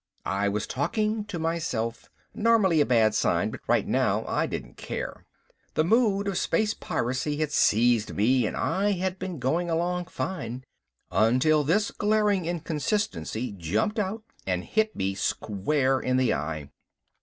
I was talking to myself, normally a bad sign, but right now I didn't care. The mood of space piracy had seized me and I had been going along fine. Until this glaring inconsistency jumped out and hit me square in the eye.